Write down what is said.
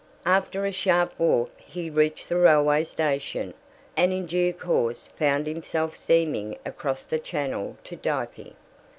After a sharp walk he reached the railway station, and in due course found himself steaming across the Channel to Dieppe.